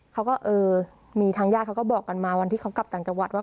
เขาก็เออมีทางญาติเขาก็บอกกันมาวันที่เขากลับต่างจังหวัดว่า